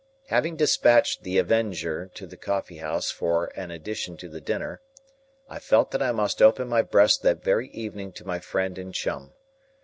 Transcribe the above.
Having despatched The Avenger to the coffee house for an addition to the dinner, I felt that I must open my breast that very evening to my friend and chum.